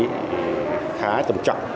thì khá tầm trọng